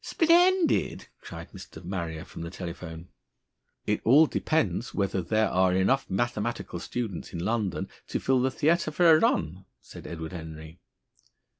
"Splendid!" cried Mr. Marrier from the telephone. "It all depends whether there are enough mathematical students in London to fill the theater for a run," said Edward Henry.